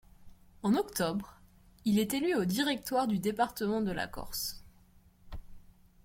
En octobre, il est élu au Directoire du département de la Corse.